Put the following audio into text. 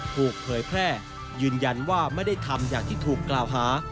เผยแพร่ยืนยันว่าไม่ได้ทำอย่างที่ถูกกล่าวหา